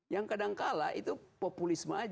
yang kadangkala itu